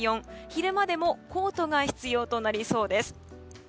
昼間でもコートが必要となりそうです。